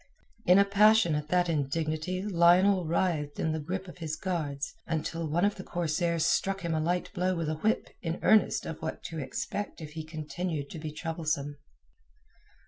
In a passion at that indignity Lionel writhed in the grip of his guards, until one of the corsairs struck him a light blow with a whip in earnest of what to expect if he continued to be troublesome.